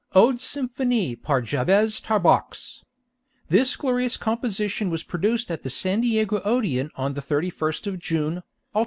ODE SYMPHONIE PAR JABEZ TARBOX. This glorious composition was produced at the San Diego Odeon on the 31st of June, ult.